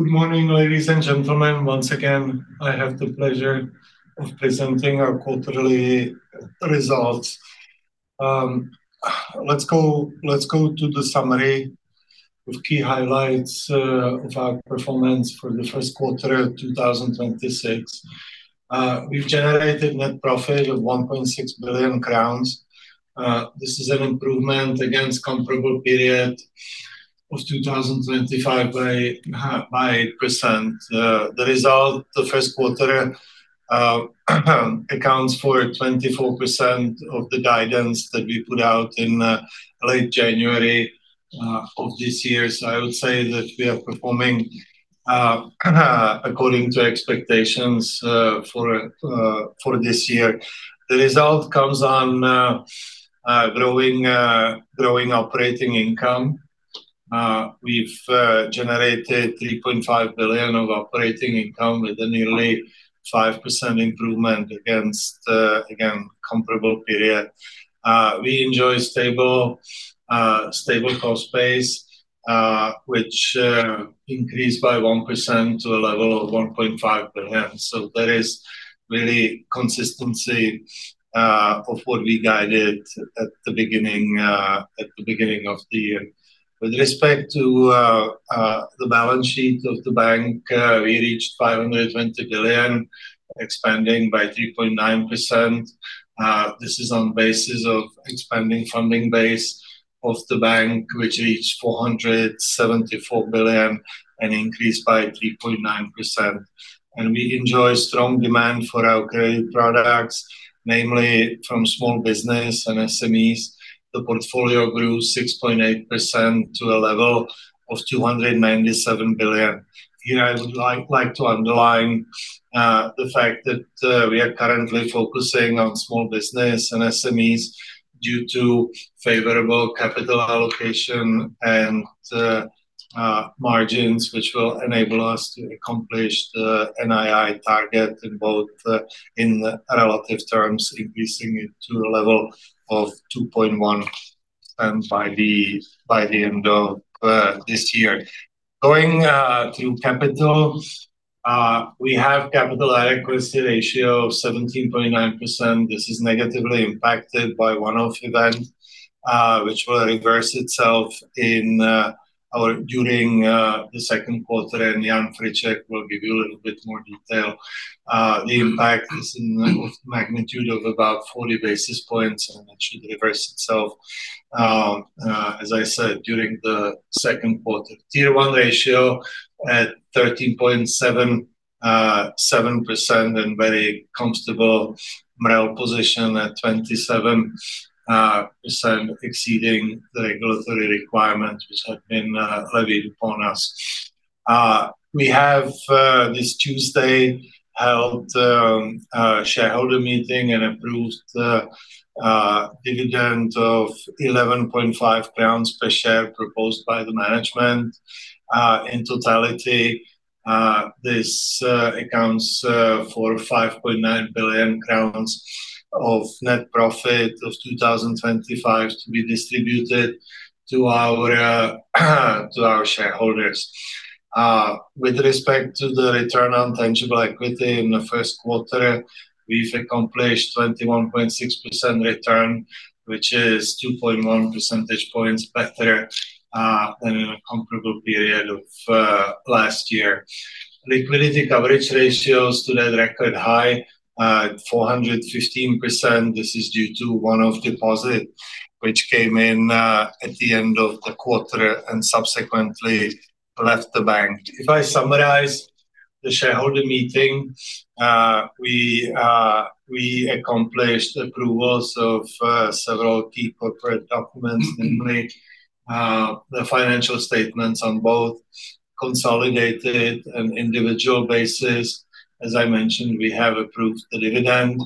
Good morning, ladies and gentlemen. Once again, I have the pleasure of presenting our quarterly results. Let's go to the summary with key highlights of our performance for the first quarter of 2026. We've generated net profit of 1.6 billion crowns. This is an improvement against comparable period of 2025 by percent. The result, the first quarter, accounts for 24% of the guidance that we put out in late January of this year. I would say that we are performing according to expectations for this year. The result comes on growing operating income. We've generated 3.5 billion of operating income with a nearly 5% improvement against, again, comparable period. We enjoy stable cost base, which increased by 1% to a level of 1.5 billion. There is really consistency of what we guided at the beginning of the year. With respect to the balance sheet of the bank, we reached 520 billion, expanding by 3.9%. This is on basis of expanding funding base of the bank, which reached 474 billion, an increase by 3.9%. We enjoy strong demand for our credit products, namely from small business and SMEs. The portfolio grew 6.8% to a level of 297 billion. Here I would like to underline the fact that we are currently focusing on small business and SMEs due to favorable capital allocation and margins, which will enable us to accomplish the NII target in relative terms, increasing it to a level of 2.1% by the end of this year. Going to capital. We have capital adequacy ratio of 17.9%. This is negatively impacted by one-off event, which will reverse itself during the second quarter, and Jan Friček will give you a little bit more detail. The impact is in the magnitude of about 40 basis points and actually reverse itself, as I said, during the second quarter. Tier 1 ratio at 13.7% and very comfortable MREL position at 27%, exceeding the regulatory requirements which have been levied upon us. We have this Tuesday held a shareholder meeting and approved the dividend of CZK 11.5 per share proposed by the management. In totality, this accounts for 5.9 billion crowns of net profit of 2025 to be distributed to our shareholders. With respect to the return on tangible equity in the first quarter, we've accomplished 21.6% return, which is 2.1 percentage points better than in a comparable period of last year. Liquidity coverage ratios to the record high, 415%. This is due to one-off deposit, which came in at the end of the quarter and subsequently left the bank. If I summarize the shareholder meeting, we accomplished approvals of several key corporate documents, namely the financial statements on both consolidated and individual basis. As I mentioned, we have approved the dividend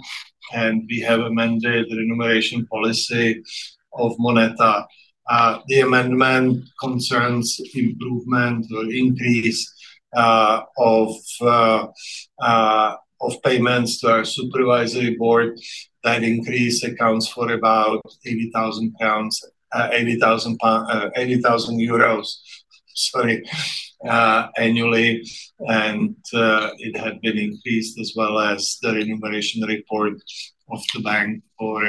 and we have amended the remuneration policy of MONETA. The amendment concerns improvement or increase of payments to our supervisory board. That increase accounts for about 80,000 pounds, 80,000 euros, sorry, annually. It had been increased as well as the remuneration report of the bank for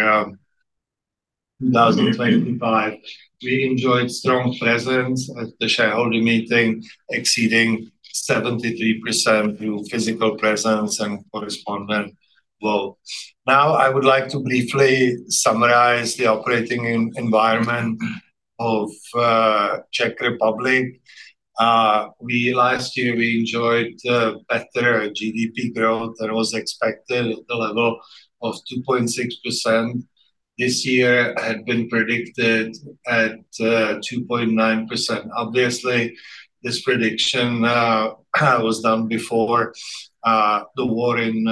2025. We enjoyed strong presence at the shareholder meeting, exceeding 73% through physical presence and correspondent vote. Now, I would like to briefly summarize the operating environment of Czech Republic. Last year, we enjoyed better GDP growth than was expected at the level of 2.6%. This year had been predicted at 2.9%. Obviously, this prediction was done before the war in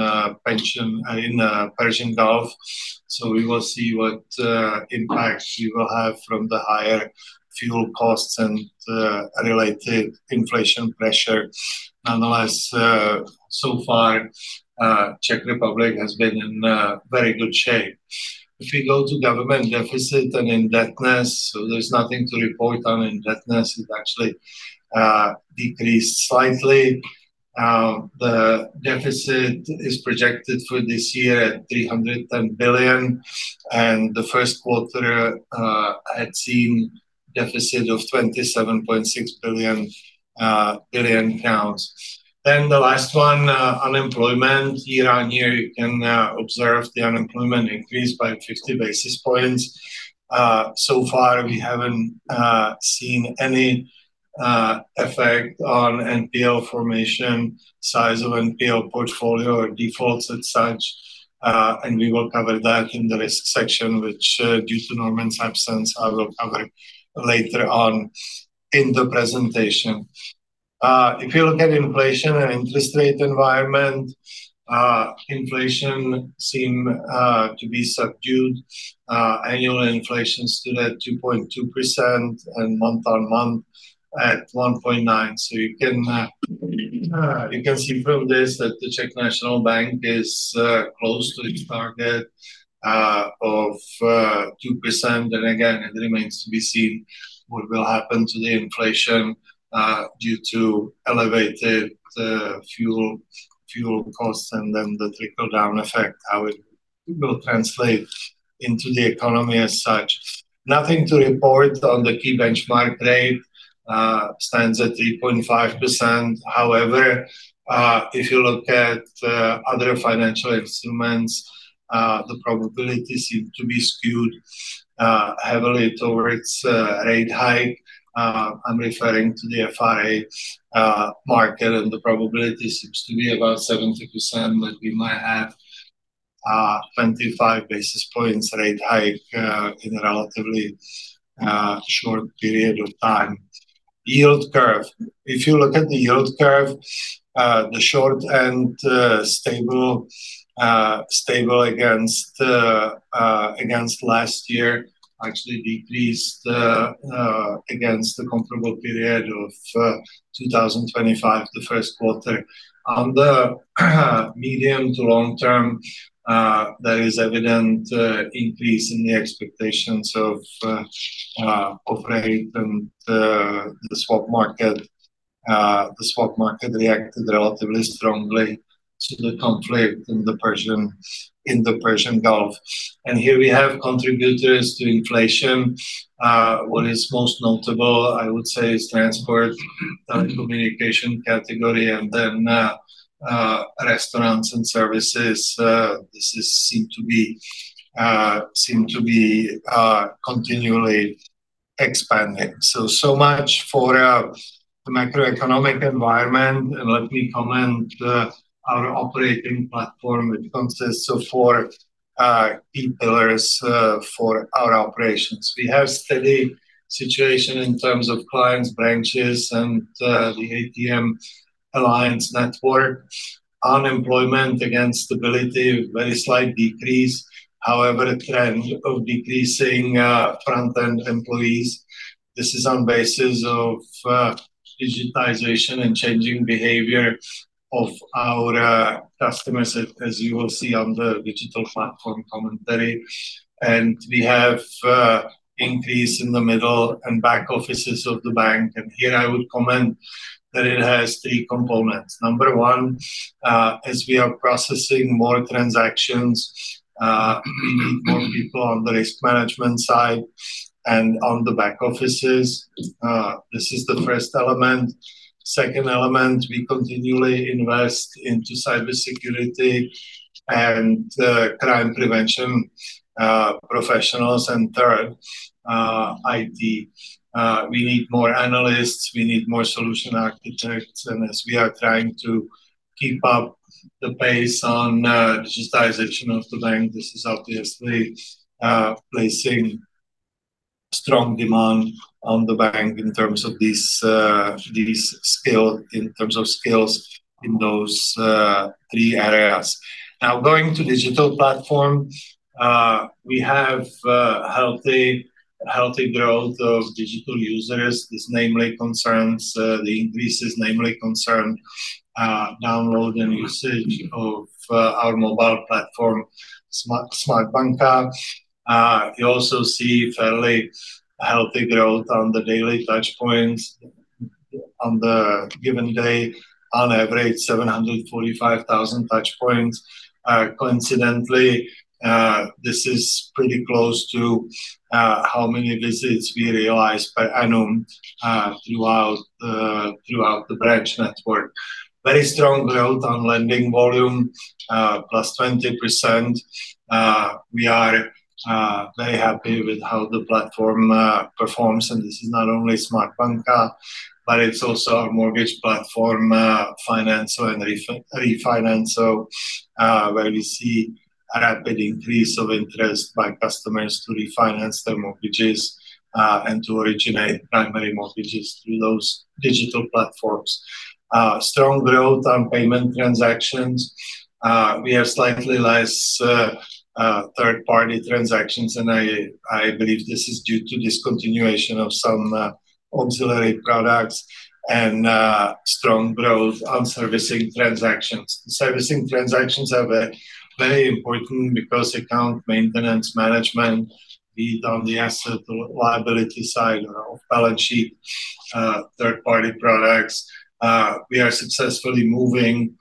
Persian Gulf. We will see what impacts we will have from the higher fuel costs and related inflation pressure. Nonetheless, so far, Czech Republic has been in very good shape. If you go to government deficit and indebtedness, so there's nothing to report on indebtedness. It actually decreased slightly. The deficit is projected for this year at 310 billion, and the first quarter had seen deficit of 27.6 billion. The last one, unemployment. Year-on-year, you can observe the unemployment increase by 50 basis points. So far we haven't seen any effect on NPL formation, size of NPL portfolio or defaults as such. We will cover that in the risk section, which due to Normann's absence, I will cover later on in the presentation. If you look at inflation and interest rate environment, inflation seem to be subdued. Annual inflation stood at 2.2% and month-on-month at 1.9%. You can see from this that the Czech National Bank is close to its target of 2%. Again, it remains to be seen what will happen to the inflation due to elevated fuel costs and then the trickle-down effect, how it will translate into the economy as such. Nothing to report on the key benchmark rate. It stands at 3.5%. However, if you look at other financial instruments, the probability seem to be skewed heavily towards rate hike. I'm referring to the FRA market, and the probability seems to be about 70%, but we might have 25 basis points rate hike in a relatively short period of time. Yield curve. If you look at the yield curve, the short end stable against last year actually decreased, against the comparable period of 2025, the first quarter. On the medium- to long-term, there is evident increase in the expectations of rate and the swap market. The swap market reacted relatively strongly to the conflict in the Persian Gulf. Here we have contributors to inflation. What is most notable, I would say, is transport and communication category, and then restaurants and services, seem to be continually expanding. So much for the macroeconomic environment. Let me comment our operating platform, which consists of four key pillars for our operations. We have steady situation in terms of clients, branches, and the ATM Alliance network. Unemployment against stability, very slight decrease. However, a trend of decreasing front end employees. This is on basis of digitization and changing behavior of our customers, as you will see on the digital platform commentary. We have increase in the middle and back offices of the bank. Here I would comment that it has three components. Number one, as we are processing more transactions, we need more people on the risk management side and on the back offices. This is the first element. Second element, we continually invest into cybersecurity and crime prevention professionals. Third, IT. We need more analysts, we need more solution architects, and as we are trying to keep up the pace on digitization of the bank, this is obviously placing strong demand on the bank in terms of these skills in those three areas. Now going to digital platform. We have healthy growth of digital users. This increase is namely concerned with download and usage of our mobile platform, Smart Banka. You also see fairly healthy growth on the daily touch points. On the given day, on average 745,000 touch points. Coincidentally, this is pretty close to how many visits we realize per annum throughout the branch network. Very strong growth on lending volume, +20%. We are very happy with how the platform performs, and this is not only Smart Banka, but it's also our mortgage platform, finance and refinance, where we see a rapid increase of interest by customers to refinance their mortgages and to originate primary mortgages through those digital platforms. Strong growth on payment transactions. We have slightly less third-party transactions, and I believe this is due to discontinuation of some auxiliary products and strong growth on servicing transactions. Servicing transactions are very important because account maintenance management, be it on the asset or liability side of our balance sheet, third-party products, we are successfully moving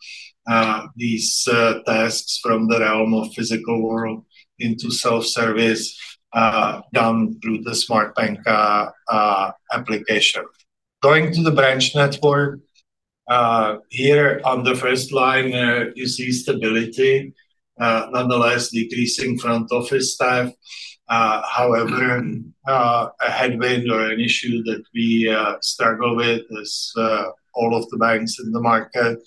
these tasks from the realm of the physical world into self-service down through the Smart Banka application. Going to the branch network, here on the first line, you see stability, nonetheless decreasing front office staff. However, a headwind or an issue that we struggle with as all of the banks in the market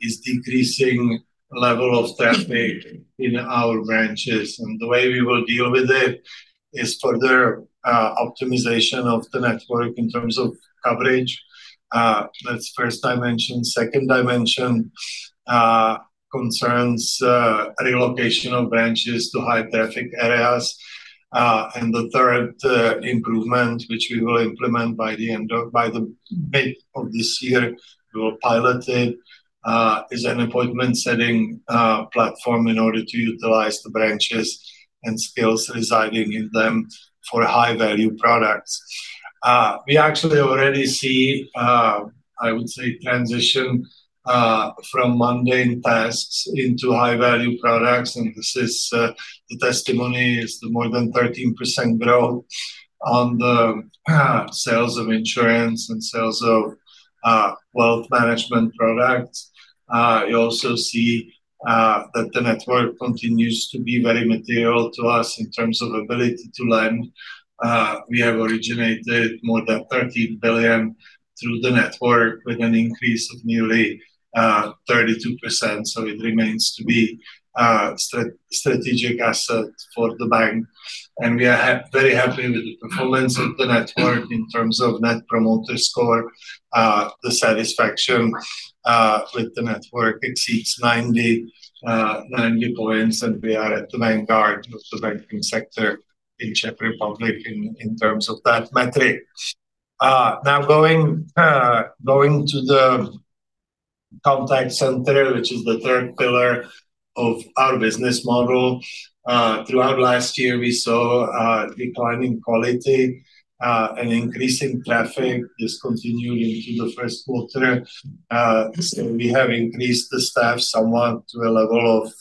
is decreasing level of staff pay in our branches. The way we will deal with it is further optimization of the network in terms of coverage. That's first dimension. Second dimension concerns relocation of branches to high traffic areas. The third improvement, which we will implement by the mid of this year, we will pilot it, is an appointment setting platform in order to utilize the branches and skills residing in them for high value products. We actually already see, I would say, transition from mundane tasks into high value products, and the testimony is the more than 13% growth on the sales of insurance and sales of wealth management products. You also see that the network continues to be very material to us in terms of ability to lend. We have originated more than 13 billion through the network with an increase of nearly 32%, so it remains to be a strategic asset for the bank. We are very happy with the performance of the network in terms of Net Promoter Score. The satisfaction with the network exceeds 90 points, and we are at the vanguard of the banking sector in Czech Republic in terms of that metric. Now going to the contact center, which is the third pillar of our business model. Throughout last year, we saw a decline in quality, and increasing traffic is continuing into the first quarter. We have increased the staff somewhat to a level of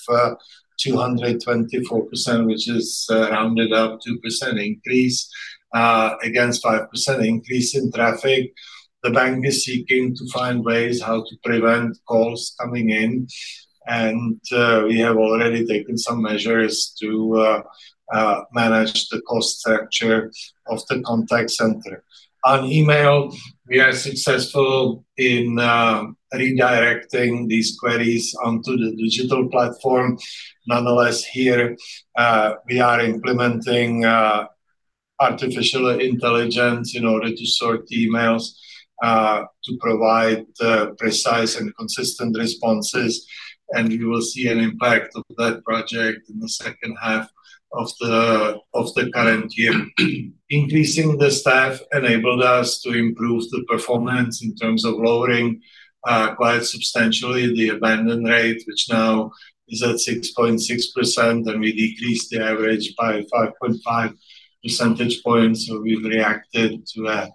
224%, which is rounded up 2% increase, against 5% increase in traffic. The bank is seeking to find ways how to prevent calls coming in, and we have already taken some measures to manage the cost structure of the contact center. On email, we are successful in redirecting these queries onto the digital platform. Nonetheless, here, we are implementing artificial intelligence in order to sort emails to provide precise and consistent responses. We will see an impact of that project in the second half of the current year. Increasing the staff enabled us to improve the performance in terms of lowering quite substantially the abandon rate, which now is at 6.6%, and we decreased the average by 5.5 percentage points. We've reacted to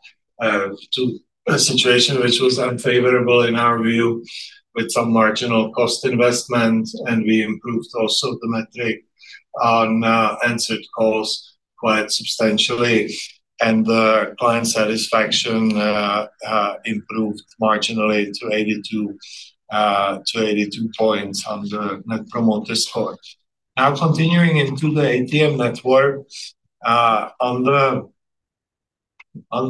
a situation which was unfavorable in our view with some marginal cost investment, and we improved also the metric on answered calls quite substantially. The client satisfaction improved marginally to 82 points on the Net Promoter Score. Now continuing into the ATM network. On the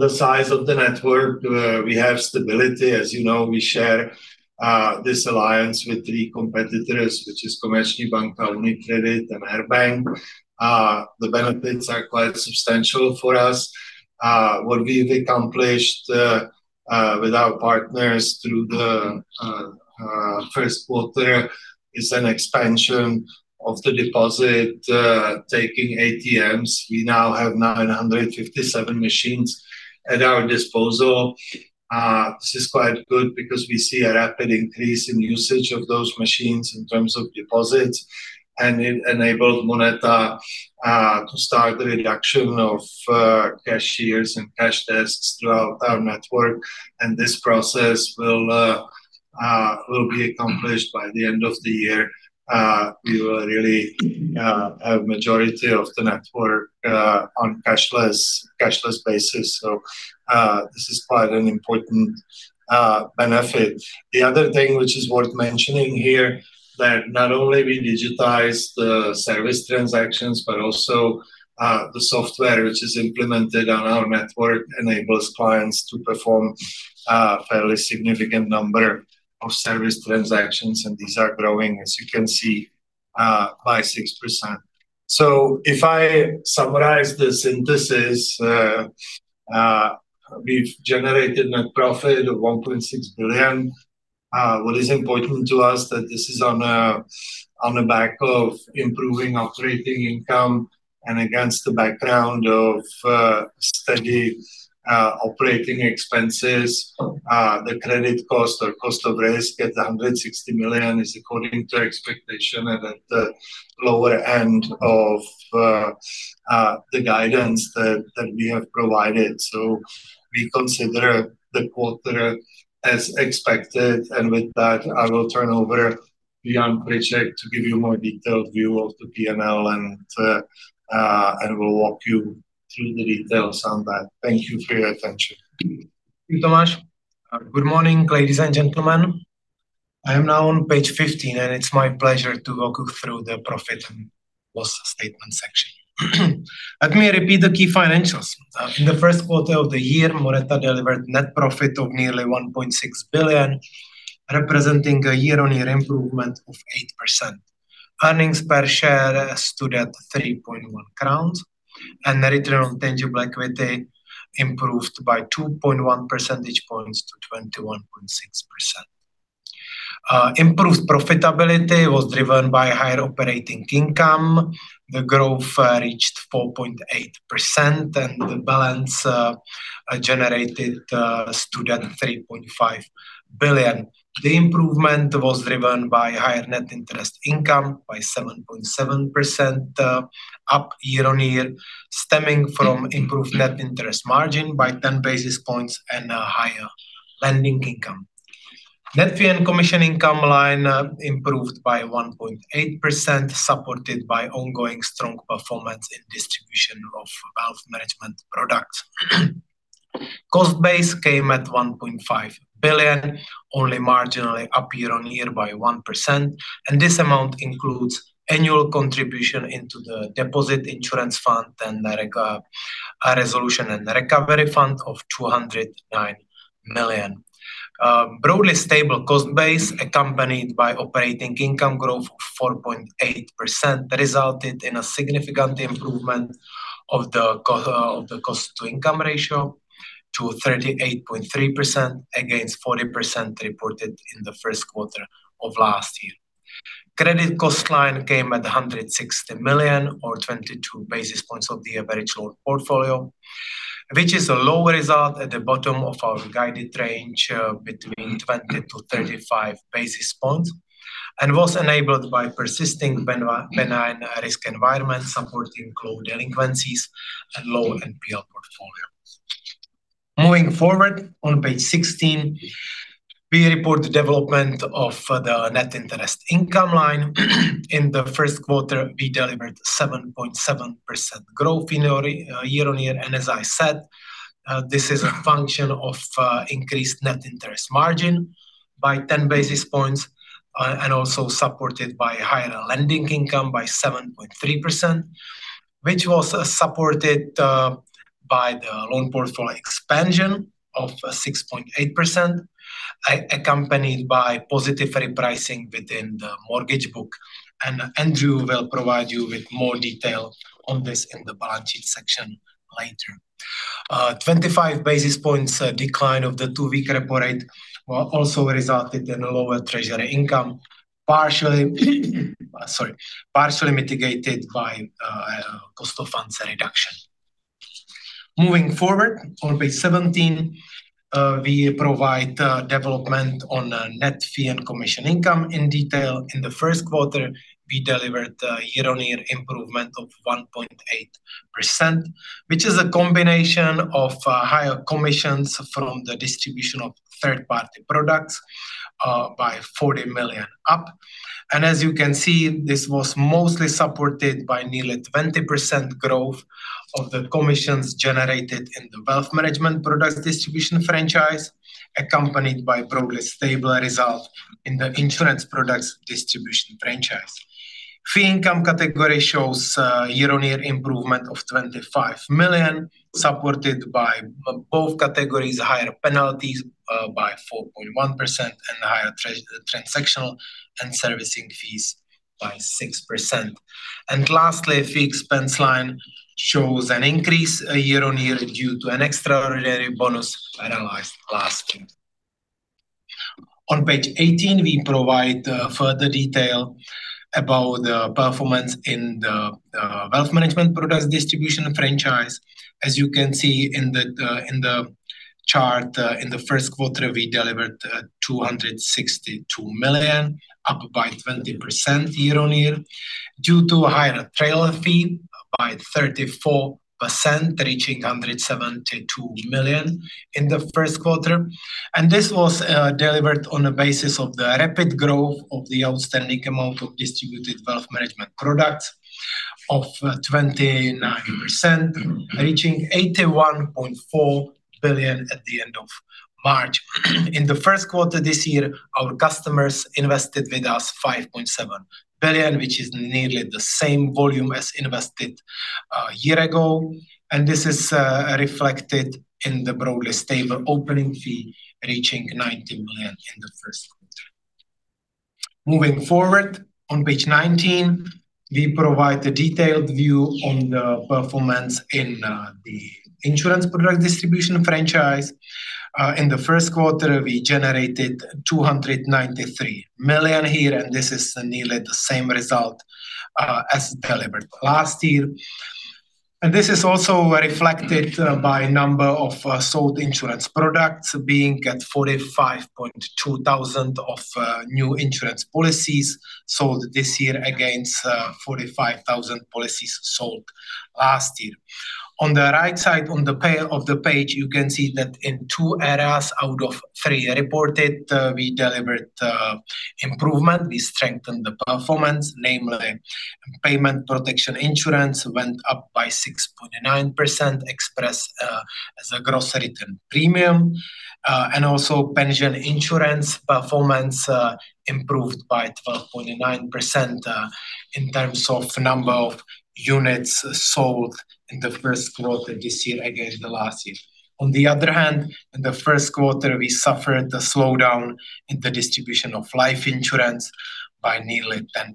size of the network, we have stability. As you know, we share this alliance with three competitors, which is Komerční banka, UniCredit, and Air Bank. The benefits are quite substantial for us. What we've accomplished with our partners through the first quarter is an expansion of the deposit taking ATMs. We now have 957 machines at our disposal. This is quite good because we see a rapid increase in usage of those machines in terms of deposits, and it enabled MONETA to start the reduction of cashiers and cash desks throughout our network, and this process will be accomplished by the end of the year. We will really have majority of the network on cashless basis. This is quite an important benefit. The other thing which is worth mentioning here, that not only we digitize the service transactions, but also the software which is implemented on our network enables clients to perform a fairly significant number of service transactions, and these are growing, as you can see, by 6%. If I summarize the synthesis, we've generated net profit of 1.6 billion. What is important to us that this is on the back of improving operating income and against the background of steady operating expenses. The credit cost or cost of risk at 160 million is according to expectation and at the lower end of the guidance that we have provided. We consider the quarter as expected, and with that, I will turn over Jan Friček to give you more detailed view of the P&L, and will walk you through the details on that. Thank you for your attention. Thank you, Tomáš. Good morning, ladies and gentlemen. I am now on page 15, and it's my pleasure to walk you through the profit and loss statement section. Let me repeat the key financials. In the first quarter of the year, MONETA delivered net profit of nearly 1.6 billion, representing a year-on-year improvement of 8%. Earnings per share stood at 3.1 crowns, and return on tangible equity improved by 2.1 percentage points to 21.6%. Improved profitability was driven by higher operating income. The growth reached 4.8%, and the balance generated stood at 3.5 billion. The improvement was driven by higher net interest income by 7.7% up year-on-year, stemming from improved net interest margin by 10 basis points and higher lending income. Net fee and commission income line improved by 1.8%, supported by ongoing strong performance in distribution of wealth management products. Cost base came at 1.5 billion, only marginally up year-on-year by 1%, and this amount includes annual contribution into the Deposit Insurance Fund and the resolution and recovery fund of 209 million. Broadly stable cost base, accompanied by operating income growth of 4.8%, resulted in a significant improvement of the cost-to-income ratio to 38.3% against 40% reported in the first quarter of last year. Credit cost line came at 160 million or 22 basis points of the average loan portfolio, which is a low result at the bottom of our guided range between 20-35 basis points and was enabled by persisting benign risk environment, supporting low delinquencies and low NPL portfolio. Moving forward on page 16, we report the development of the net interest income line. In the first quarter, we delivered 7.7% growth year-on-year, and as I said, this is a function of increased net interest margin by 10 basis points and also supported by higher lending income by 7.3%, which was supported by the loan portfolio expansion of 6.8%, accompanied by positive repricing within the mortgage book. Andrew will provide you with more detail on this in the balance sheet section later. 25 basis points decline of the two week repo rate also resulted in a lower treasury income, partially mitigated by cost of funds reduction. Moving forward on page 17, we provide development on net fee and commission income in detail. In the first quarter, we delivered a year-on-year improvement of 1.8%, which is a combination of higher commissions from the distribution of third-party products by 40 million up. As you can see, this was mostly supported by nearly 20% growth of the commissions generated in the wealth management product distribution franchise, accompanied by broadly stable result in the insurance products distribution franchise. Fee income category shows year-on-year improvement of 25 million, supported by both categories, higher penalties by 4.1% and higher transactional and servicing fees by 6%. Lastly, fee expense line shows an increase year-on-year due to an extraordinary bonus analyzed last year. On page 18, we provide further detail about the performance in the wealth management product distribution franchise. As you can see in the chart, in the first quarter, we delivered 262 million up by 20% year-on-year due to higher trail fee by 34%, reaching 172 million in the first quarter. This was delivered on the basis of the rapid growth of the outstanding amount of distributed wealth management products of 29%, reaching 81.4 billion at the end of March. In the first quarter this year, our customers invested with us 5.7 billion, which is nearly the same volume as invested a year ago. This is reflected in the broadly stable opening fee reaching 90 million in the first quarter. Moving forward on page 19, we provide the detailed view on the performance in the insurance product distribution franchise. In the first quarter, we generated 293 million here, and this is nearly the same result as delivered last year. This is also reflected by number of sold insurance products being at 45,200 of new insurance policies sold this year against 45,000 policies sold last year. On the right side on the page, you can see that in two areas out of three reported, we delivered improvement. We strengthened the performance, namely Payment Protection Insurance went up by 6.9%, expressed as a gross written premium, and also pension insurance performance improved by 12.9% in terms of number of units sold in the first quarter this year against the last year. On the other hand, in the first quarter, we suffered a slowdown in the distribution of life insurance by nearly 10%.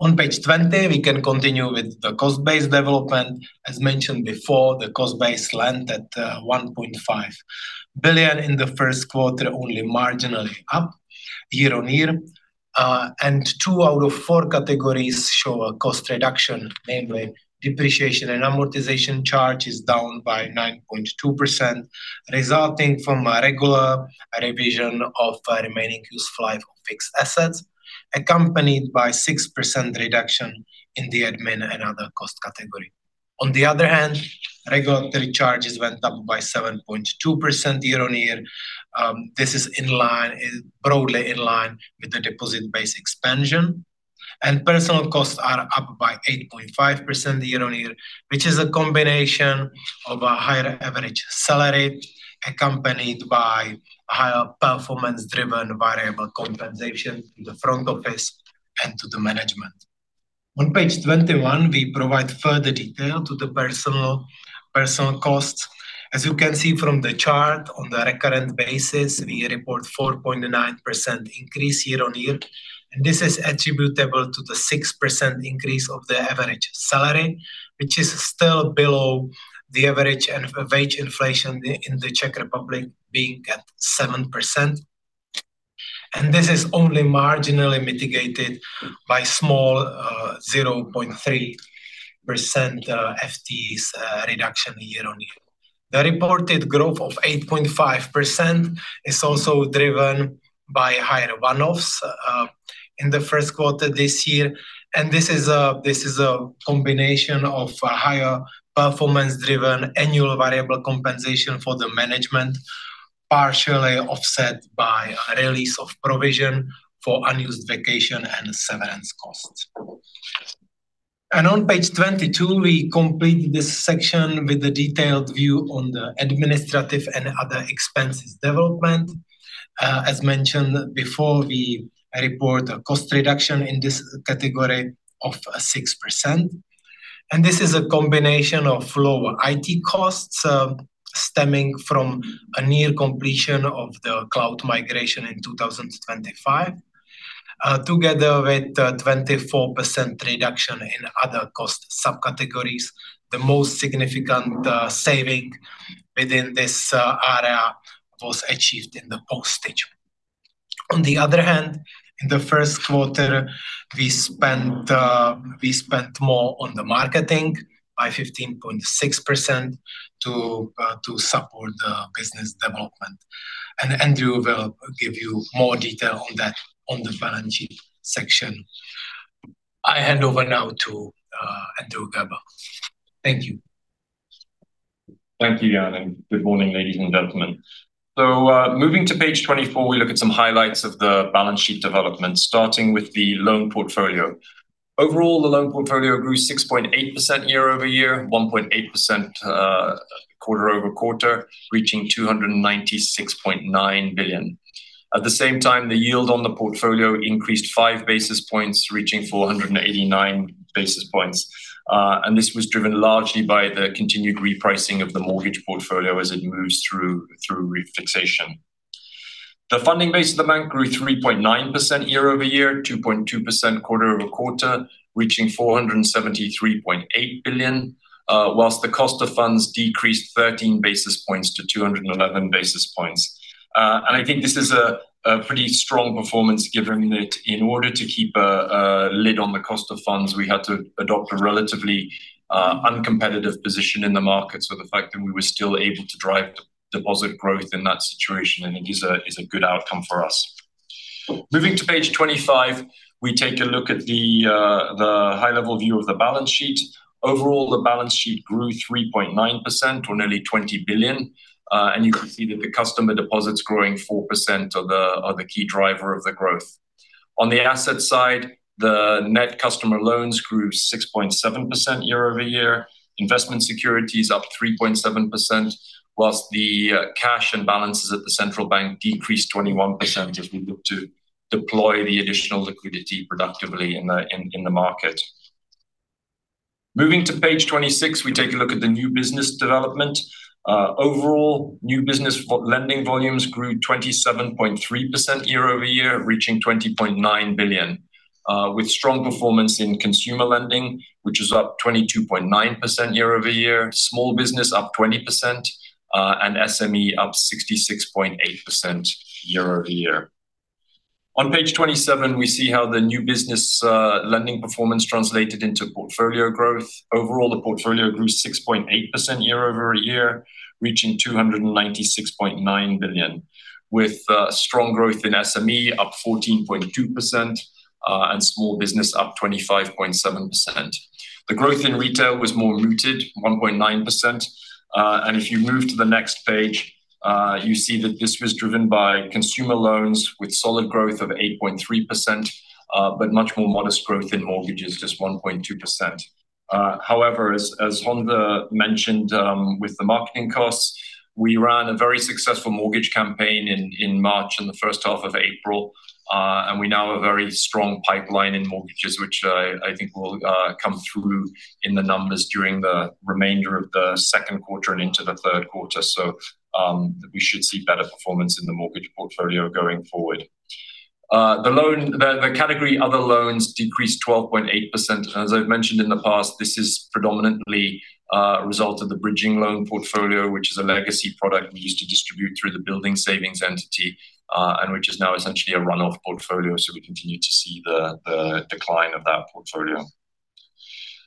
On page 20, we can continue with the cost base development. As mentioned before, the cost base landed at 1.5 billion in the first quarter, only marginally up year-on-year. Two out of four categories show a cost reduction, namely depreciation and amortization charge is down by 9.2%, resulting from a regular revision of remaining useful life of fixed assets, accompanied by 6% reduction in the admin and other cost category. On the other hand, regulatory charges went up by 7.2% year-on-year. This is broadly in line with the deposit base expansion. Personnel costs are up by 8.5% year-on-year, which is a combination of a higher average salary accompanied by higher performance-driven variable compensation to the front office and to the management. On page 21, we provide further detail to the personnel costs. As you can see from the chart, on the recurrent basis, we report 4.9% increase year-on-year. This is attributable to the 6% increase of the average salary, which is still below the average wage inflation in the Czech Republic being at 7%. This is only marginally mitigated by small 0.3% FTEs reduction year-on-year. The reported growth of 8.5% is also driven by higher one-offs in the first quarter this year, and this is a combination of higher performance-driven annual variable compensation for the management, partially offset by a release of provision for unused vacation and severance costs. On page 22, we complete this section with a detailed view on the administrative and other expenses development. As mentioned before, we report a cost reduction in this category of 6%. This is a combination of lower IT costs stemming from a near completion of the cloud migration in 2025, together with a 24% reduction in other cost subcategories. The most significant saving within this area was achieved in the postage. On the other hand, in the first quarter, we spent more on the marketing by 15.6% to support the business development. Andrew will give you more detail on that on the balance sheet section. I hand over now to Andrew Gerber. Thank you. Thank you, Jan, and good morning, ladies and gentlemen. Moving to page 24, we look at some highlights of the balance sheet development, starting with the loan portfolio. Overall, the loan portfolio grew 6.8% year-over-year, 1.8% quarter-over-quarter, reaching 296.9 billion. At the same time, the yield on the portfolio increased 5 basis points, reaching 489 basis points. This was driven largely by the continued repricing of the mortgage portfolio as it moves through refixation. The funding base of the bank grew 3.9% year-over-year, 2.2% quarter-over-quarter, reaching 473.8 billion, while the cost of funds decreased 13 basis points to 211 basis points. I think this is a pretty strong performance given that in order to keep a lid on the cost of funds, we had to adopt a relatively uncompetitive position in the market. The fact that we were still able to drive deposit growth in that situation I think is a good outcome for us. Moving to page 25, we take a look at the high-level view of the balance sheet. Overall, the balance sheet grew 3.9%, or nearly 20 billion. You can see that the customer deposits growing 4% are the key driver of the growth. On the asset side, the net customer loans grew 6.7% year-over-year. Investment securities up 3.7%, while the cash and balances at the central bank decreased 21% as we look to deploy the additional liquidity productively in the market. Moving to page 26, we take a look at the new business development. Overall, new business lending volumes grew 27.3% year-over-year, reaching 20.9 billion, with strong performance in consumer lending, which is up 22.9% year-over-year, small business up 20%, and SME up 66.8% year-over-year. On page 27, we see how the new business lending performance translated into portfolio growth. Overall, the portfolio grew 6.8% year-over-year, reaching 296.9 billion, with strong growth in SME up 14.2% and small business up 25.7%. The growth in retail was more muted, 1.9%. If you move to the next page, you see that this was driven by consumer loans with solid growth of 8.3%, but much more modest growth in mortgages, just 1.2%. However, as Jan mentioned with the marketing costs, we ran a very successful mortgage campaign in March and the first half of April. We now have very strong pipeline in mortgages, which I think will come through in the numbers during the remainder of the second quarter and into the third quarter. We should see better performance in the mortgage portfolio going forward. The category other loans decreased 12.8%. As I've mentioned in the past, this is predominantly a result of the bridging loan portfolio, which is a legacy product we used to distribute through the building savings entity, and which is now essentially a run-off portfolio. We continue to see the decline of that portfolio.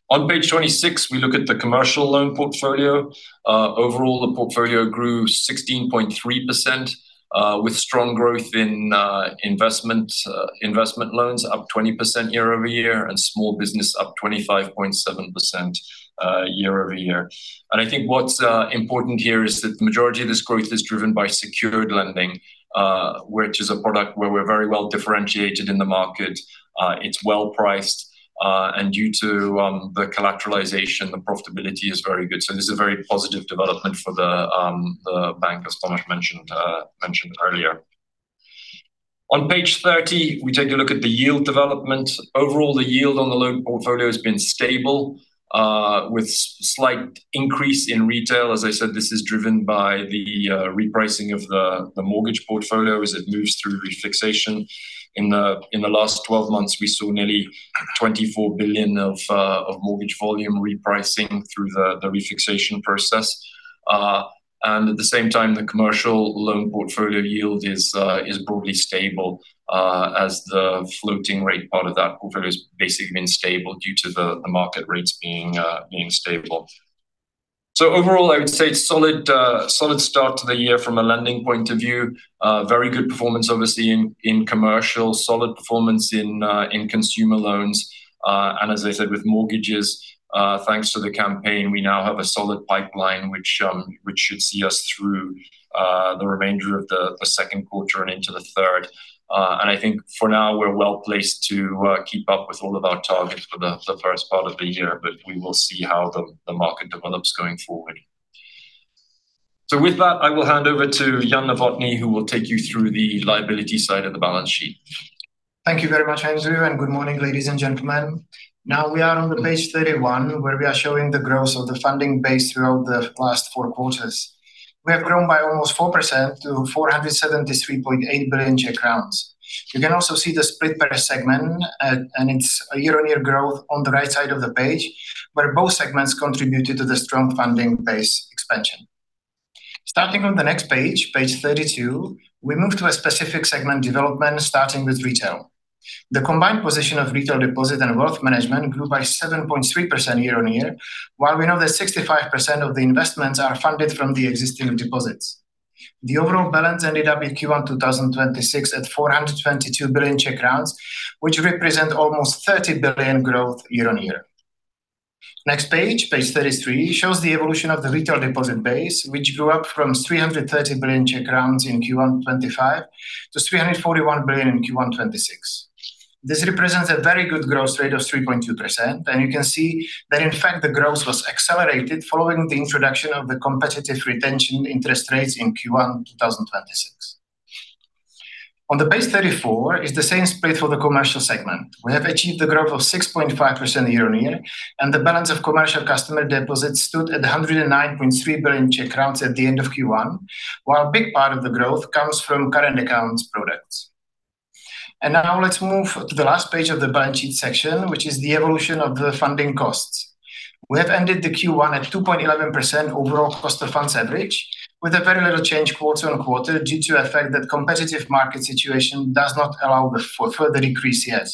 On page 26, we look at the commercial loan portfolio. Overall, the portfolio grew 16.3%, with strong growth in investment loans up 20% year-over-year and small business up 25.7% year-over-year. I think what's important here is that the majority of this growth is driven by secured lending, which is a product where we're very well differentiated in the market. It's well-priced, and due to the collateralization, the profitability is very good. This is a very positive development for the bank, as Tomáš mentioned earlier. On page 30, we take a look at the yield development. Overall, the yield on the loan portfolio has been stable, with slight increase in retail. As I said, this is driven by the repricing of the mortgage portfolio as it moves through refixation. In the last 12 months, we saw nearly 24 billion of mortgage volume repricing through the refixation process. At the same time, the commercial loan portfolio yield is broadly stable as the floating rate part of that portfolio has basically been stable due to the market rates being stable. Overall, I would say solid start to the year from a lending point of view. Very good performance, obviously in commercial, solid performance in consumer loans. As I said with mortgages, thanks to the campaign, we now have a solid pipeline which should see us through the remainder of the second quarter and into the third. I think for now we're well placed to keep up with all of our targets for the first part of the year, but we will see how the market develops going forward. With that, I will hand over to Jan Novotný who will take you through the liability side of the balance sheet. Thank you very much, Andrew, and good morning, ladies and gentlemen. Now we are on page 31, where we are showing the growth of the funding base throughout the last four quarters. We have grown by almost 4% to 473.8 billion Czech crowns. You can also see the split per segment, and it's a year-on-year growth on the right side of the page, where both segments contributed to the strong funding base expansion. Starting on the next page 32, we move to a specific segment development starting with retail. The combined position of retail deposit and wealth management grew by 7.3% year-on-year, while we know that 65% of the investments are funded from the existing deposits. The overall balance ended up in Q1 2026 at 422 billion Czech crowns, which represent almost 30 billion growth year-on-year. Next page 33, shows the evolution of the retail deposit base, which grew up from 330 billion Czech crowns in Q1 2025 to 341 billion in Q1 2026. This represents a very good growth rate of 3.2%, and you can see that, in fact, the growth was accelerated following the introduction of the competitive retention interest rates in Q1 2026. On the page 34 is the same split for the commercial segment. We have achieved the growth of 6.5% year-on-year, and the balance of commercial customer deposits stood at 109.3 billion Czech crowns at the end of Q1, while a big part of the growth comes from current accounts products. Now let's move to the last page of the balance sheet section, which is the evolution of the funding costs. We have ended the Q1 at 2.11% overall cost of funds average, with very little change quarter-on-quarter due to effect that competitive market situation does not allow the further decrease yet.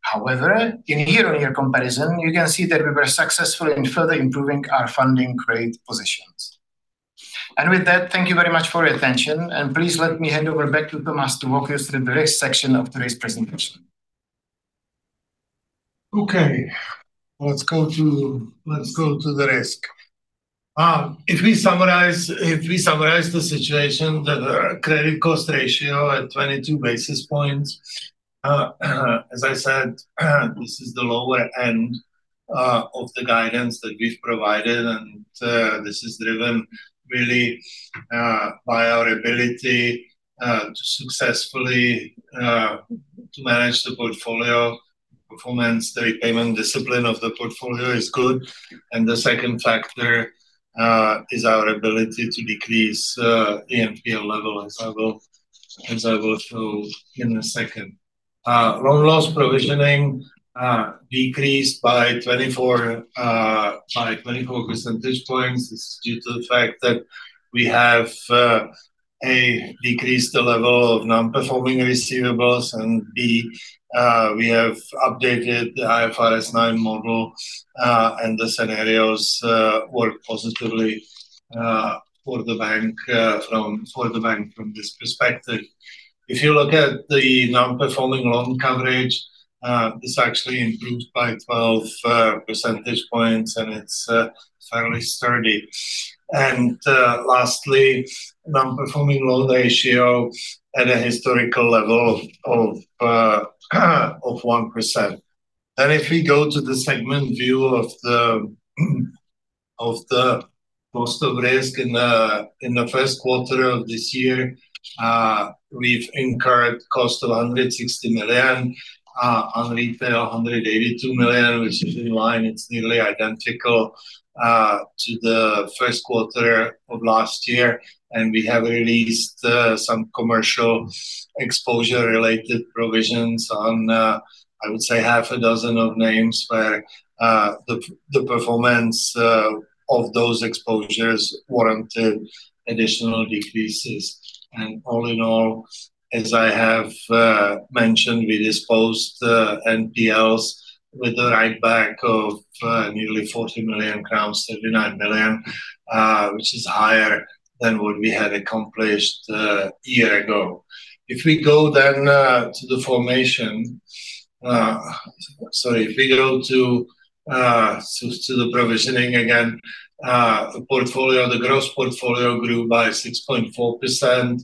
However, in year-on-year comparison, you can see that we were successful in further improving our funding rate positions. With that, thank you very much for your attention, and please let me hand over back to Tomáš to walk you through the risk section of today's presentation. Okay. Let's go to the risk. If we summarize the situation, that our credit cost ratio is at 22 basis points. As I said, this is the lower end of the guidance that we've provided, and this is driven really by our ability to successfully manage the portfolio. Performance, the repayment discipline of the portfolio is good. The second factor is our ability to decrease the NPL level, as I will show in a second. Loan loss provisioning decreased by 24 percentage points. This is due to the fact that we have, A, decreased the level of non-performing receivables, and B, we have updated the IFRS 9 model, and the scenarios work positively for the bank from this perspective. If you look at the non-performing loan coverage, this actually improved by 12 percentage points, and it's fairly sturdy. Lastly, non-performing loan ratio at a historical level of 1%. If we go to the segment view of the cost of risk in the first quarter of this year, we've incurred cost of 160 million on retail 182 million, which is in line. It's nearly identical to the first quarter of last year, and we have released some commercial exposure related provisions on, I would say, half a dozen of names where the performance of those exposures warranted additional decreases. All in all, as I have mentioned, we disposed NPLs with a write-back of nearly 40 million crowns, around 79 million, which is higher than what we had accomplished a year ago. If we go then to the provisioning again, the gross portfolio grew by 6.4%.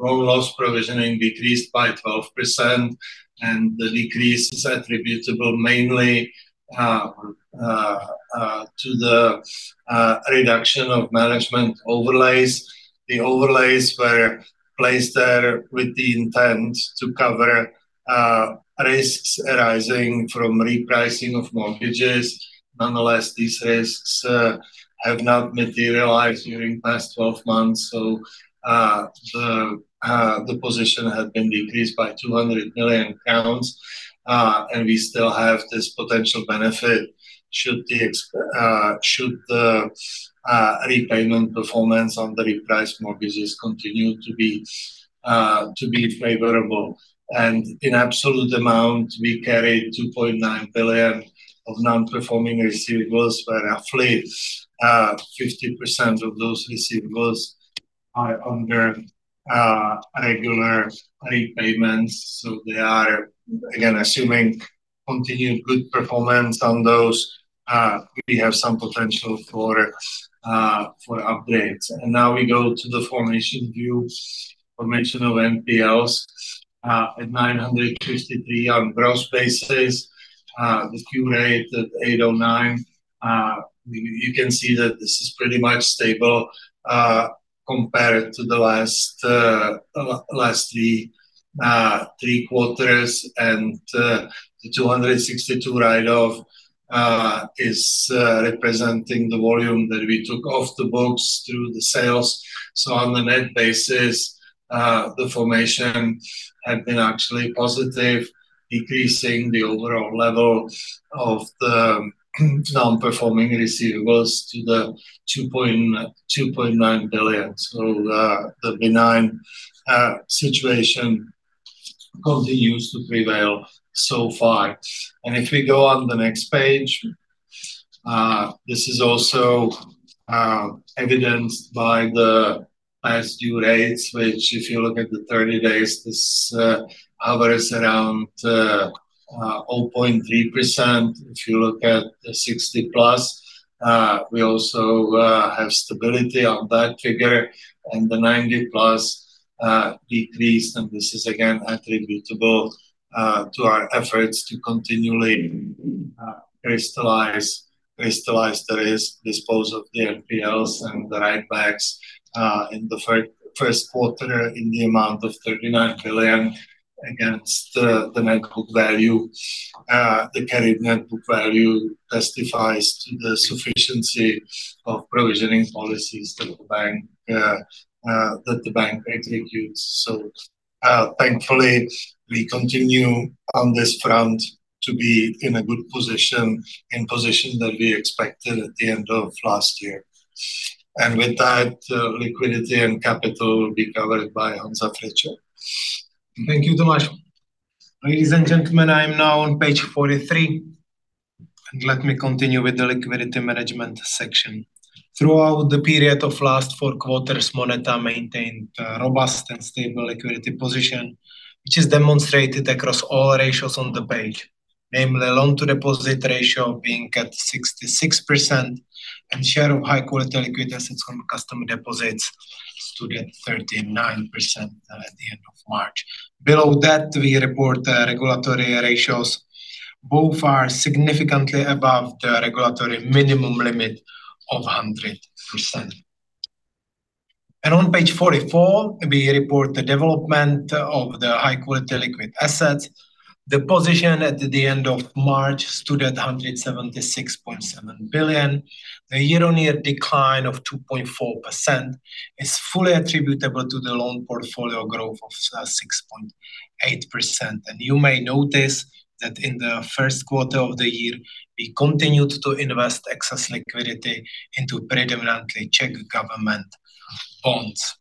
Loan loss provisioning decreased by 12%, and the decrease is attributable mainly to the reduction of management overlays. The overlays were placed there with the intent to cover risks arising from repricing of mortgages. Nonetheless, these risks have not materialized during the past 12 months, so the position had been decreased by CZK 200 million, and we still have this potential benefit should the repayment performance on the repriced mortgages continue to be favorable. In absolute amount, we carry 2.9 billion of non-performing receivables, where roughly 50% of those receivables are under regular repayments. They are, again, assuming continued good performance on those, we have some potential for updates. Now we go to the formation view, formation of NPLs at 963 on gross basis. The cure rate at 809. You can see that this is pretty much stable compared to the last three quarters, and the 262 write-off is representing the volume that we took off the books through the sales. On the net basis, the formation had been actually positive, decreasing the overall level of the non-performing receivables to CZK 2.9 billion. The benign situation continues to prevail so far. If we go on the next page, this is also evidenced by the past due rates, which if you look at the 30 days, this hovers around 0.3%. If you look at the 60+, we also have stability on that figure. The 90+ decreased, and this is again attributable to our efforts to continually crystallize the risk, dispose of the NPLs and the write-backs in the first quarter in the amount of 39 million against the net book value. The carried net book value testifies to the sufficiency of provisioning policies that the bank executes. Thankfully, we continue on this front to be in a good position that we expected at the end of last year. With that, liquidity and capital will be covered by Jan Friček. Thank you, Tomáš. Ladies and gentlemen, I am now on page 43, and let me continue with the liquidity management section. Throughout the period of last four quarters, MONETA maintained a robust and stable liquidity position, which is demonstrated across all ratios on the page. Namely, loan-to-deposit ratio being at 66%, and share of high-quality liquid assets on customer deposits stood at 39% at the end of March. Below that, we report the regulatory ratios. Both are significantly above the regulatory minimum limit of 100%. On page 44, we report the development of the high-quality liquid assets. The position at the end of March stood at 176.7 billion. The year-on-year decline of 2.4% is fully attributable to the loan portfolio growth of 6.8%. You may notice that in the first quarter of the year, we continued to invest excess liquidity into predominantly Czech government bonds.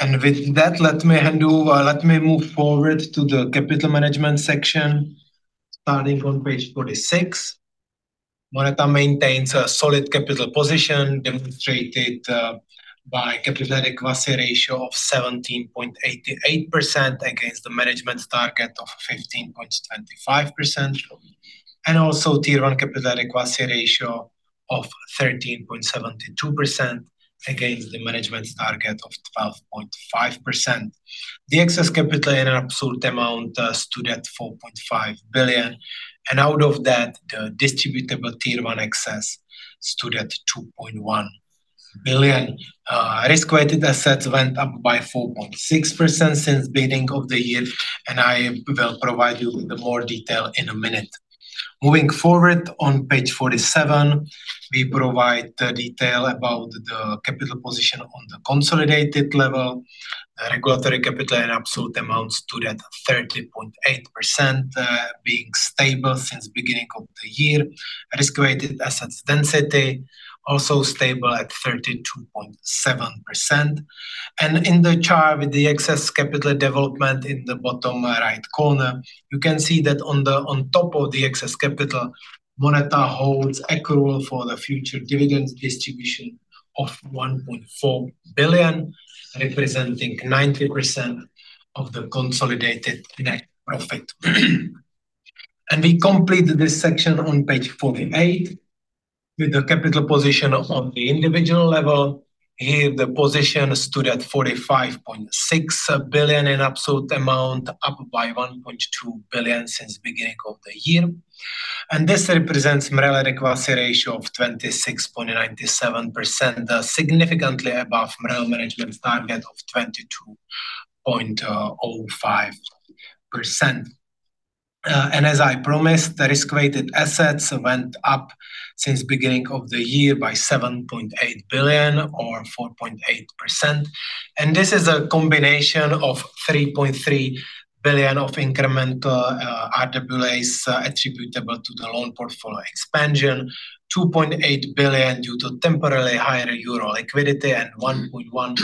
With that, let me move forward to the capital management section starting on page 46. MONETA maintains a solid capital position demonstrated by capital adequacy ratio of 17.88% against the management target of 15.25%, and also Tier 1 capital adequacy ratio of 13.72% against the management target of 12.5%. The excess capital in absolute amount stood at 4.5 billion, and out of that, the distributable Tier 1 excess stood at 2.1 billion. Risk-weighted assets went up by 4.6% since beginning of the year, and I will provide you with more detail in a minute. Moving forward on page 47, we provide the detail about the capital position on the consolidated level. Regulatory capital in absolute amount stood at 30.8%, being stable since beginning of the year. Risk-weighted assets density, also stable at 32.7%. In the chart with the excess capital development in the bottom right corner, you can see that on top of the excess capital, MONETA holds accrual for the future dividend distribution of 1.4 billion, representing 90% of the consolidated net profit. We complete this section on page 48 with the capital position on the individual level. Here, the position stood at 45.6 billion in absolute amount, up by 1.2 billion since beginning of the year. This represents MREL adequacy ratio of 26.97%, significantly above MREL management target of 22.05%. As I promised, the risk-weighted assets went up since beginning of the year by 7.8 billion or 4.8%, and this is a combination of 3.3 billion of incremental RWAs attributable to the loan portfolio expansion, 2.8 billion due to temporarily higher euro liquidity, and 1.1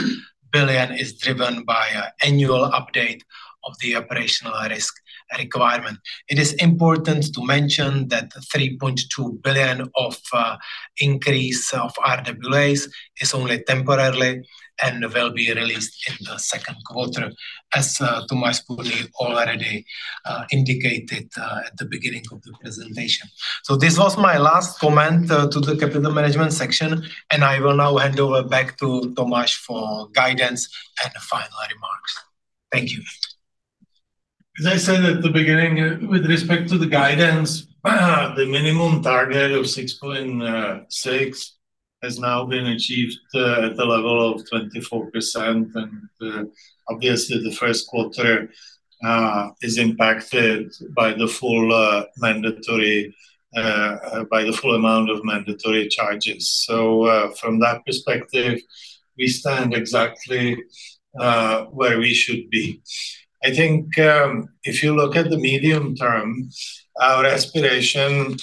billion is driven by annual update of the operational risk requirement. It is important to mention that 3.2 billion of increase of RWAs is only temporarily and will be released in the second quarter as Tomáš already indicated at the beginning of the presentation. This was my last comment to the capital management section, and I will now hand over back to Tomáš for guidance and final remarks. Thank you. As I said at the beginning, with respect to the guidance, the minimum target of 6.6 has now been achieved at the level of 24%, and obviously the first quarter is impacted by the full amount of mandatory charges. From that perspective, we stand exactly where we should be. I think if you look at the medium term, our aspiration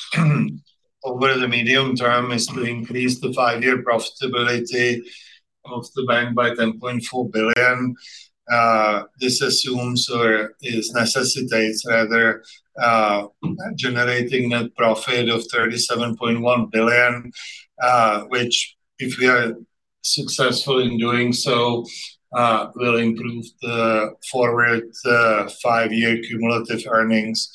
over the medium term is to increase the five year profitability of the bank by 10.4 billion. This assumes or is necessitates rather, generating net profit of 37.1 billion, which if we are successful in doing so, will improve the forward five year cumulative earnings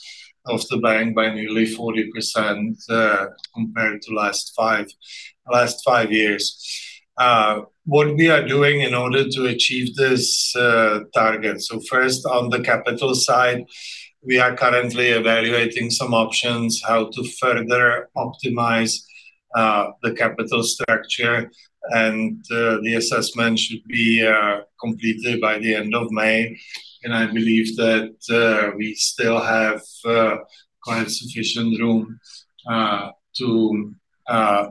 of the bank by nearly 40% compared to last five years. What we are doing in order to achieve this target. First, on the capital side, we are currently evaluating some options how to further optimize the capital structure, and the assessment should be completed by the end of May. I believe that we still have quite sufficient room to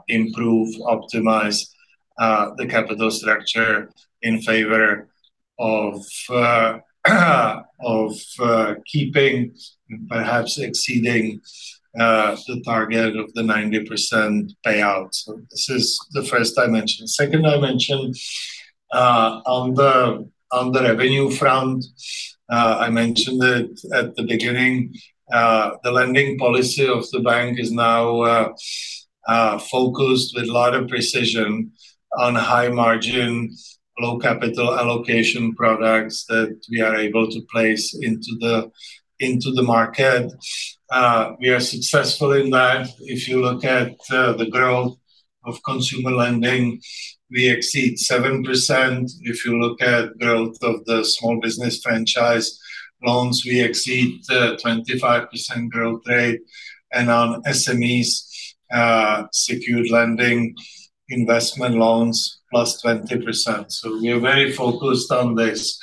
improve, optimize the capital structure in favor of keeping, perhaps exceeding the target of the 90% payout. This is the first dimension. Second dimension, on the revenue front, I mentioned it at the beginning. The lending policy of the bank is now focused with a lot of precision on high margin, low capital allocation products that we are able to place into the market. We are successful in that. If you look at the growth of consumer lending, we exceed 7%. If you look at growth of the small business franchise loans, we exceed 25% growth rate. On SME-secured lending, investment loans +20%. We are very focused on this.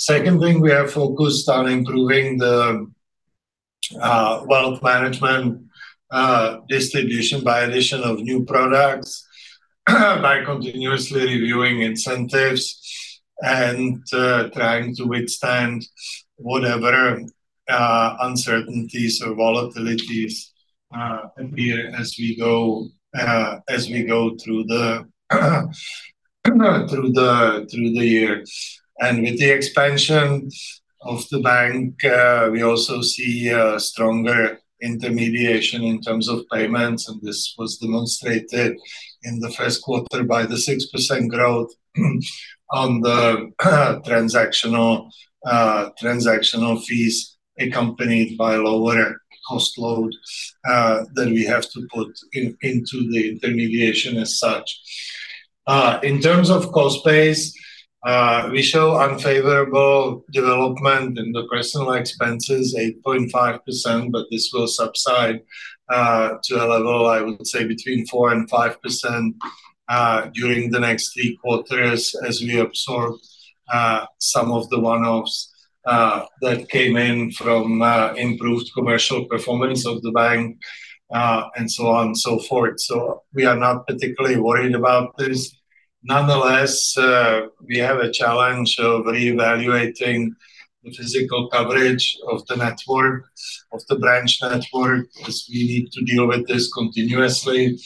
Second thing, we are focused on improving the wealth management distribution by addition of new products, by continuously reviewing incentives and trying to withstand whatever uncertainties or volatilities appear as we go through the year. With the expansion of the bank, we also see a stronger intermediation in terms of payments, and this was demonstrated in the first quarter by the 6% growth on the transactional fees accompanied by lower cost load that we have to put into the intermediation as such. In terms of cost base, we show unfavorable development in the personal expenses, 8.5%, but this will subside to a level, I would say, between 4% and 5% during the next three quarters as we absorb some of the one-offs that came in from improved commercial performance of the bank and so on and so forth. We are not particularly worried about this. Nonetheless, we have a challenge of reevaluating the physical coverage of the branch network, as we need to deal with this continuously.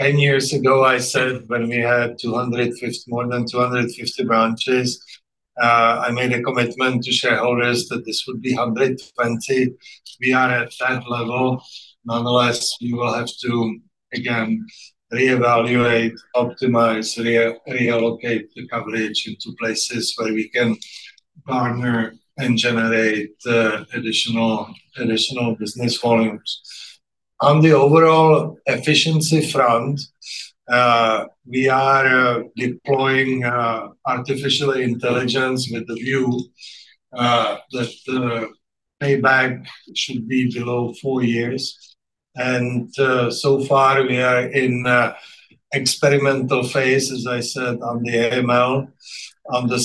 10 years ago, I said when we had more than 250 branches, I made a commitment to shareholders that this would be 120. We are at that level. Nonetheless, we will have to again reevaluate, optimize, reallocate the coverage into places where we can partner and generate additional business volumes. On the overall efficiency front, we are deploying artificial intelligence with the view that the payback should be below four years. So far, we are in experimental phase, as I said, on the AML, on the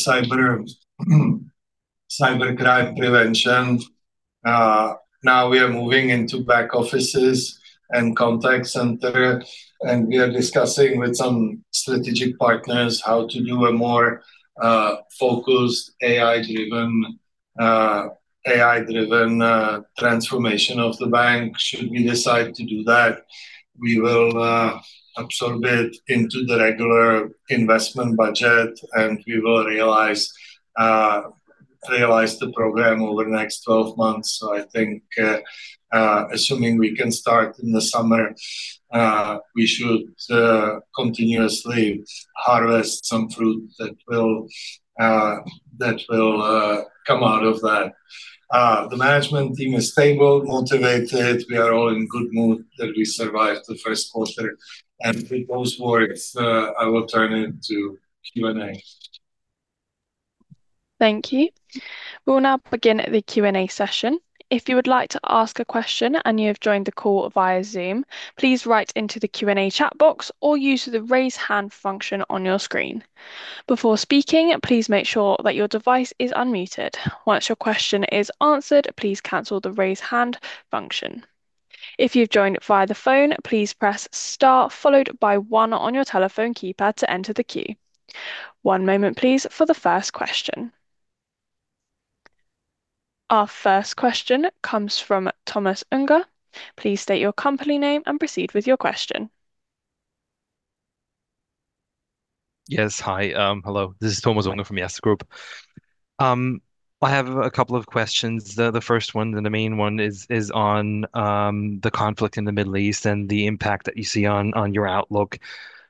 cyber crime prevention. Now we are moving into back offices and contact center, and we are discussing with some strategic partners how to do a more focused, AI-driven transformation of the bank. Should we decide to do that, we will absorb it into the regular investment budget, and we will realize the program over the next 12 months. I think, assuming we can start in the summer, we should continuously harvest some fruit that will come out of that. The management team is stable, motivated. We are all in good mood that we survived the first quarter. With those words, I will turn it to Q&A. Thank you. We'll now begin the Q&A session. If you would like to ask a question and you have joined the call via Zoom, please write into the Q&A chat box or use the raise hand function on your screen. Before speaking, please make sure that your device is unmuted. Once your question is answered, please cancel the raise hand function. If you've joined via the phone, please press star followed by one on your telephone keypad to enter the queue. One moment please for the first question. Our first question comes from Thomas Unger. Please state your company name and proceed with your question. Yes. Hi. Hello. This is Thomas Unger from Erste Group. I have a couple of questions. The first one, and the main one is on the conflict in the Middle East and the impact that you see on your outlook.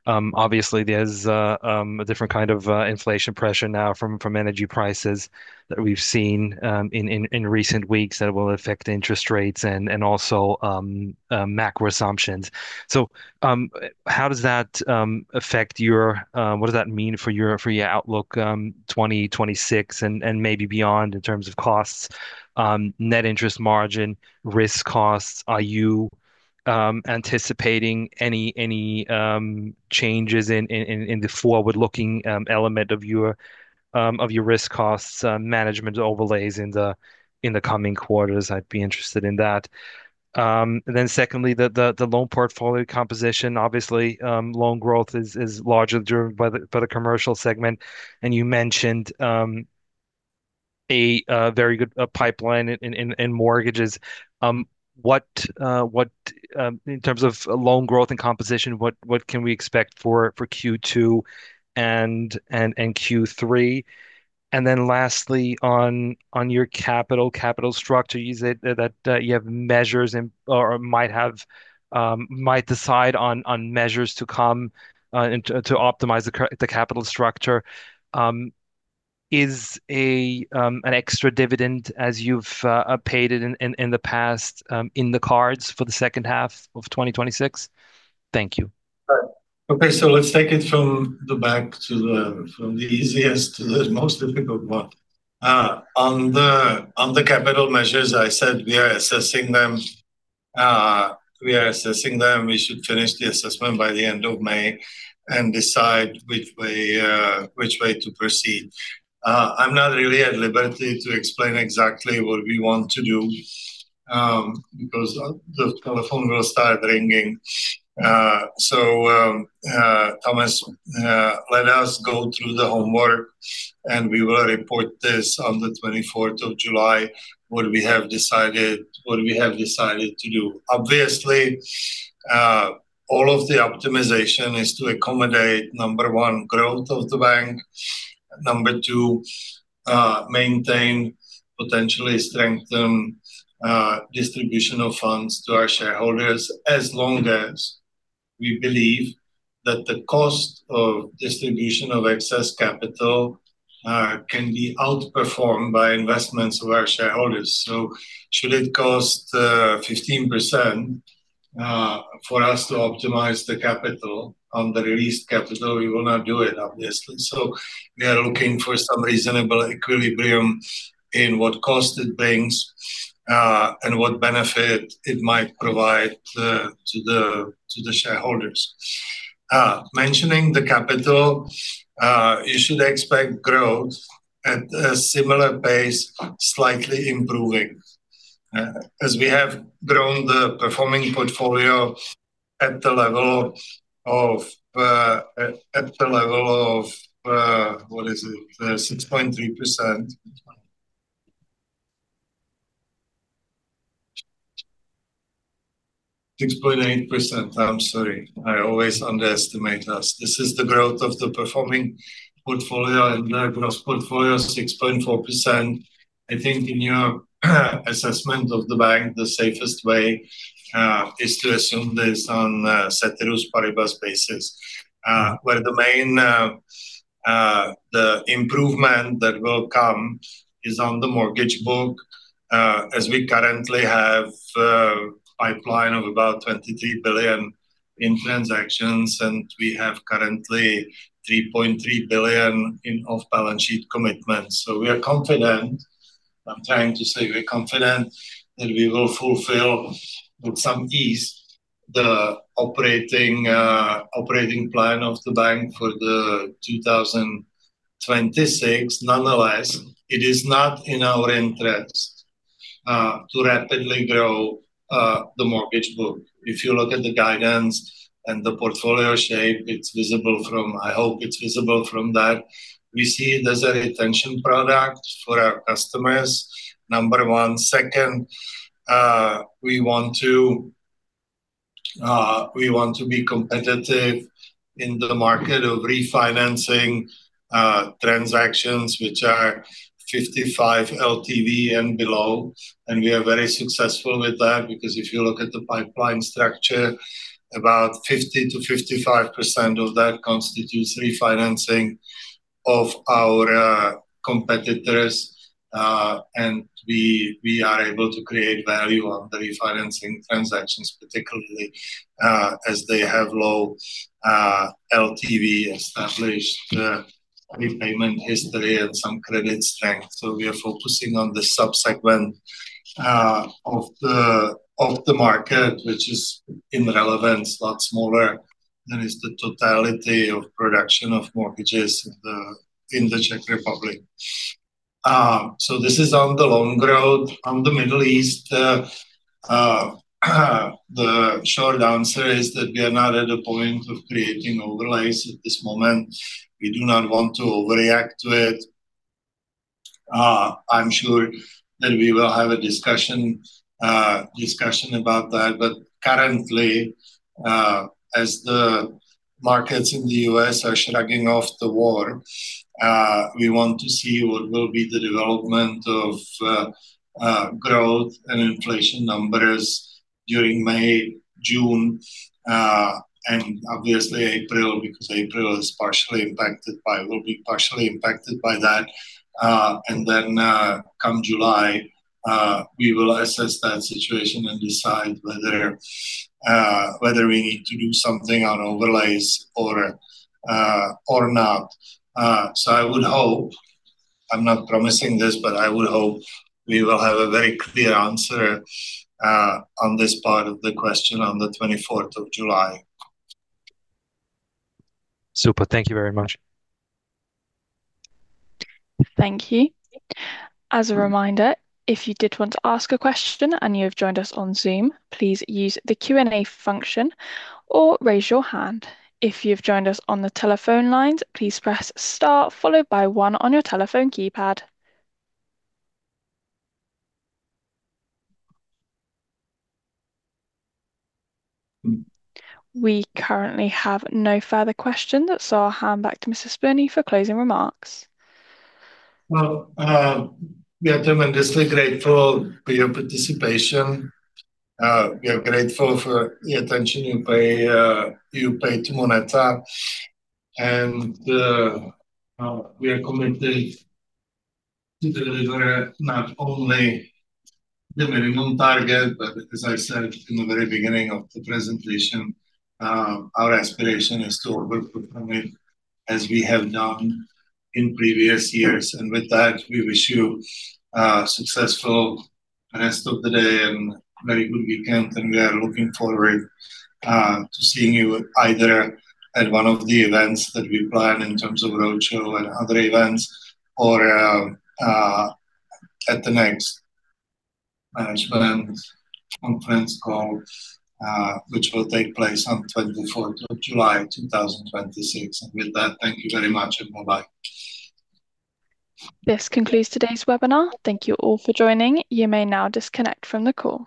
Obviously, there's a different kind of inflation pressure now from energy prices that we've seen in recent weeks that will affect interest rates and also macro assumptions. What does that mean for your outlook, 2026 and maybe beyond in terms of costs, net interest margin, risk costs? Are you anticipating any changes in the forward-looking element of your risk costs management overlays in the coming quarters? I'd be interested in that. Secondly, the loan portfolio composition. Obviously, loan growth is largely driven by the commercial segment, and you mentioned a very good pipeline in mortgages. In terms of loan growth and composition, what can we expect for Q2 and Q3? Lastly on your capital structure, you said that you have measures or might decide on measures to come to optimize the capital structure. Is an extra dividend as you've paid it in the past in the cards for the second half of 2026? Thank you. Okay, let's take it from the back, from the easiest to the most difficult one. On the capital measures, I said we are assessing them. We should finish the assessment by the end of May and decide which way to proceed. I'm not really at liberty to explain exactly what we want to do, because the phone will start ringing. Thomas, let us go through the homework, and we will report this on the 24th of July. What we have decided to do. Obviously, all of the optimization is to accommodate, number one, growth of the bank. Number two, maintain, potentially strengthen distribution of funds to our shareholders, as long as we believe that the cost of distribution of excess capital can be outperformed by investments of our shareholders. Should it cost 15% for us to optimize the capital on the released capital, we will not do it, obviously. We are looking for some reasonable equilibrium in what cost it brings, and what benefit it might provide to the shareholders. Mentioning the capital, you should expect growth at a similar pace, slightly improving. As we have grown the performing portfolio at the level of, what is it? 6.3%. 6.8%. I'm sorry. I always underestimate us. This is the growth of the performing portfolio and gross portfolio, 6.4%. I think in your assessment of the bank, the safest way is to assume this on ceteris paribus basis, where the main improvement that will come is on the mortgage book, as we currently have a pipeline of about 23 billion in transactions, and we have currently 3.3 billion in off-balance sheet commitments. We are confident. I'm trying to say we're confident that we will fulfill with some ease the operating plan of the bank for 2026. Nonetheless, it is not in our interest to rapidly grow the mortgage book. If you look at the guidance and the portfolio shape, I hope it's visible from that. We see it as a retention product for our customers, number one. Second, we want to be competitive in the market of refinancing transactions, which are 55 LTV and below. We are very successful with that, because if you look at the pipeline structure, about 50%-55% of that constitutes refinancing of our competitors. We are able to create value on the refinancing transactions, particularly, as they have low LTV established, repayment history and some credit strength. We are focusing on the sub-segment of the market, which is in relevance, a lot smaller than is the totality of production of mortgages in the Czech Republic. This is on the long road. On the Middle East, the short answer is that we are not at a point of creating overlays at this moment. We do not want to overreact to it. I'm sure that we will have a discussion about that, but currently, as the markets in the U.S. are shrugging off the war, we want to see what will be the development of growth and inflation numbers during May, June, and obviously April, because April will be partially impacted by that. Come July, we will assess that situation and decide whether we need to do something on overlays or not. I would hope, I'm not promising this, but I would hope we will have a very clear answer on this part of the question on the 24th of July. Super. Thank you very much. Thank you. As a reminder, if you did want to ask a question and you have joined us on Zoom, please use the Q&A function or raise your hand. If you've joined us on the telephone lines, please press star followed by one on your telephone keypad. We currently have no further questions. I'll hand back to Mr. Spurný for closing remarks. Well, we are tremendously grateful for your participation. We are grateful for the attention you pay to MONETA. We are committed to deliver not only the minimum target, but as I said in the very beginning of the presentation, our aspiration is to over-perform it as we have done in previous years. With that, we wish you a successful rest of the day and very good weekend. We are looking forward to seeing you either at one of the events that we plan in terms of roadshow and other events or at the next management conference call, which will take place on 24th of July 2026. With that, thank you very much and bye-bye. This concludes today's webinar. Thank you all for joining. You may now disconnect from the call.